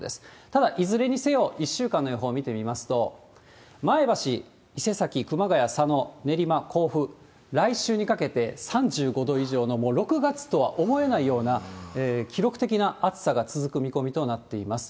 ただ、いずれにせよ、１週間の予報見てみますと、前橋、伊勢崎、熊谷、佐野、練馬、甲府、来週にかけて３５度以上の、もう６月とは思えないような記録的な暑さが続く見込みとなっています。